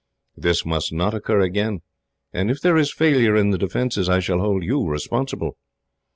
This must not occur again, and if there is failure in the defences, I shall hold you responsible.